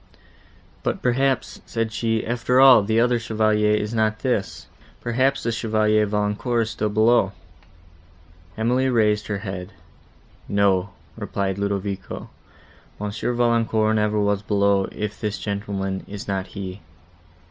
"But, perhaps," said she, "after all, the other Chevalier is not this: perhaps the Chevalier Valancourt is still below." Emily raised her head. "No," replied Ludovico, "Monsieur Valancourt never was below, if this gentleman is not he."